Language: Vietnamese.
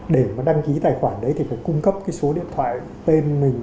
để đăng ký tài khoản đấy thì phải cung cấp số điện thoại tên mình